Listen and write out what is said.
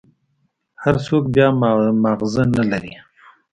هر سوک بيا مازغه نلري.